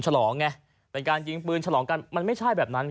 ฉลองไงเป็นการยิงปืนฉลองกันมันไม่ใช่แบบนั้น